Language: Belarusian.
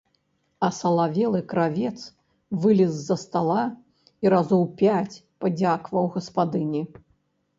Асалавелы кравец вылез з-за стала і разоў пяць падзякаваў гаспадыні.